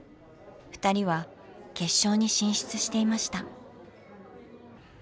ふたりは決勝に進出していました。